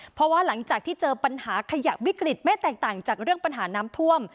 เพราะว่าหลังจากที่เจอปัญหาขยะวิกฤตไม่แตกต่างจากเรื่องปัญหาน้ำท่วม